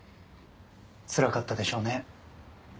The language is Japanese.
つらかったでしょうね。